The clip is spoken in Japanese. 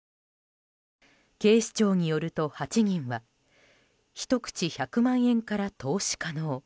警視庁によると８人は一口１００万円から投資可能。